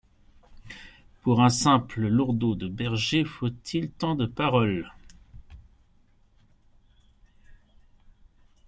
Pour ung simple lourdaud de bergier, faut-il tant de paroles ?…